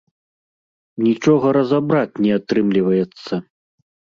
Нічога разабраць не атрымлівацца.